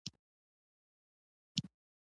امیر اوس پیسې زیاتې کړي دي.